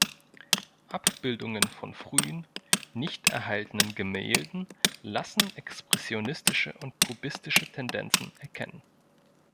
Abbildungen von frühen, nicht erhaltenen Gemälden lassen expressionistische und kubistische Tendenzen erkennen.